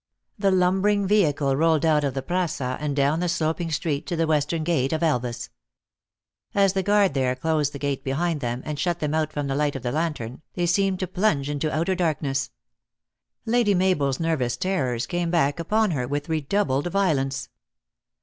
The lumbering vehicle rolled out of the praca and down the sloping street to the western gate of Elvas. As the guard there closed the gate behind them, and shut them out from the light of the lantern, they seemed to plunge into " outer darkness." Lady Mabel s ner vous terrors came back upon her with redoubled vio lence.